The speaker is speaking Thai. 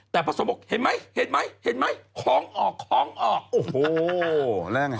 แต่พระสงฆ์บอกเห็นไหมของออกของออกโอ้โหแล้วไง